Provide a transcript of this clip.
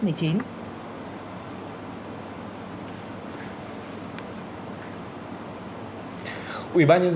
ubnd thành phố hà nội